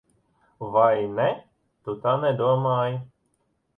Vai ne? Tu tā nedomāji.